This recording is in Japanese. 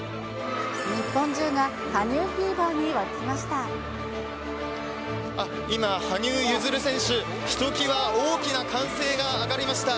日本中が羽生フィーバーに沸きました。